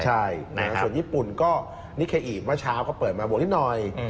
ใช่ส่วนญี่ปุ่นก็นิเคอีเมื่อเช้าเขาเปิดมาบวกนิดหน่อย